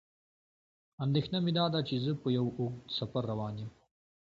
اندېښنه مې داده چې زه په یو اوږد سفر روان یم.